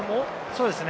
そうですね。